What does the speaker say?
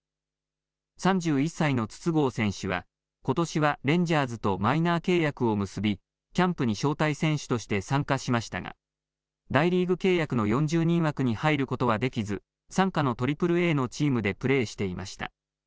３１歳の筒香選手はことしはレンジャーズとマイナー契約を結びキャンプに招待選手として参加しましたが大リーグ契約の４０人枠に入ることはできず傘下の３Ａのチームでプレーしていました。